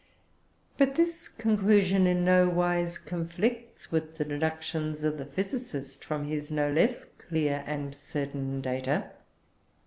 But this conclusion in nowise conflicts with the deductions of the physicist from his no less clear and certain data.